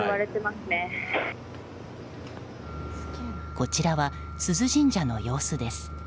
こちらは、須須神社の様子です。